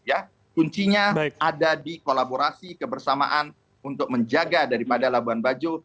ya kuncinya ada di kolaborasi kebersamaan untuk menjaga daripada labuan bajo